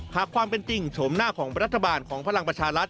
หากความเป็นจริงโฉมหน้าของรัฐบาลของพลังประชารัฐ